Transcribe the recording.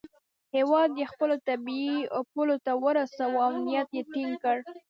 هیواد یې خپلو طبیعي پولو ته ورساوه او امنیت یې ټینګ کړ.